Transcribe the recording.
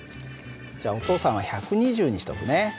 じゃあお父さんは１２０にしとくね。